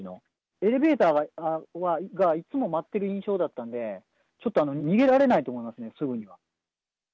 エレベーターはいつも待ってる印象だったので、ちょっと逃げられないと思いますね、すぐには。